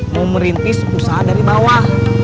mau merintis usaha dari bawah